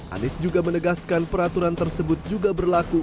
anies juga menegaskan peraturan tersebut juga berlaku